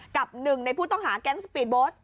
กับหนึ่งในผู้ต้องหาแก๊งสปีดโบสต์